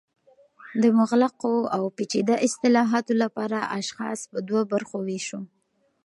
د مغلقو او پیچده اصطالحاتو لپاره اشخاص په دوه برخو ویشو